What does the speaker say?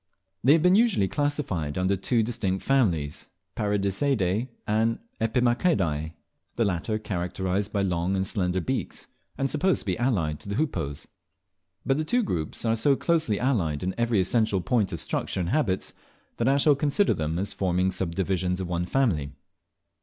They have been usually classified under two distinct families, Paradiseidae and Epimachidae, the latter characterised by long and slender beaks, and supposed to be allied to the Hoopoes; but the two groups are so closely allied in every essential point of structure and habits, that I shall consider them as forming subdivisions of one family.